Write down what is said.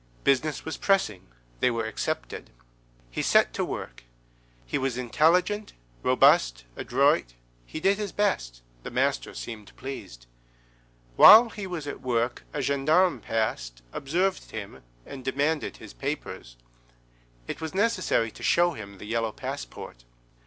Business was pressing; they were accepted. He set to work. He was intelligent, robust, adroit; he did his best; the master seemed pleased. While he was at work, a gendarme passed, observed him, and demanded his papers. It was necessary to show him the yellow passport.